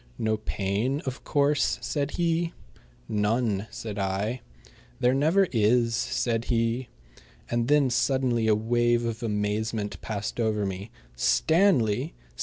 "No pain, of course?" said he. "None," said I. "There never is," said he. And then suddenly a wave of amazement passed over me. Stanley!